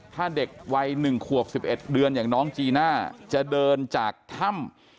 ถ้าเด็กวัย๑ขวบ๑๑เดือนอย่างน้องจีน่าจะเดินจากถ้ำ